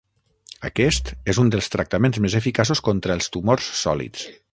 Aquest és un dels tractaments més eficaços contra els tumors sòlids.